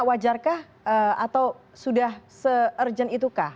wajarkah atau sudah se urgent itukah